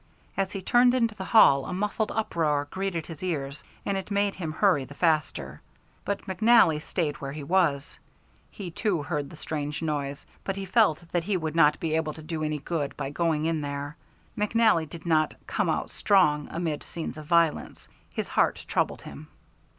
As he turned into the hall a muffled uproar greeted his ears, and it made him hurry the faster. But McNally stayed where he was. He, too, heard the strange noise, but he felt that he would not be able to do any good by going in there. McNally did not "come out strong" amid scenes of violence. His heart troubled him.